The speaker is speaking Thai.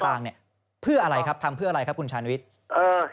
ทำเพื่ออะไรครับคุณฐานวิทย์